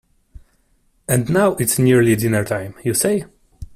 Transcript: And now it's nearly dinner-time, you say?